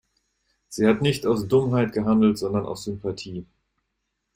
Sie hat nicht aus Dummheit gehandelt, sondern aus Sympathie.